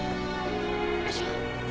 よいしょ。